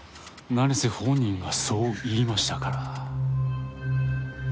何せ本人がそう言いましたから。